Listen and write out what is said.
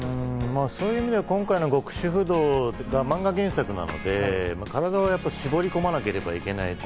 そういう意味では今回の『極主夫道』が漫画原作なので、体を絞り込まなければいけない。